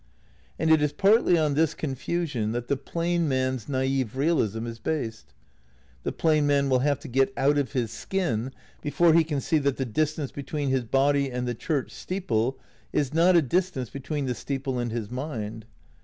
^ And it is partly on this confusion that the plain man's naif realism is based. The plain man will have to get out of his skin before he can see that the distance be tween his body and the church steeple is not a distance between the steeple and his mind.